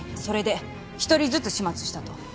それで一人ずつ始末したと。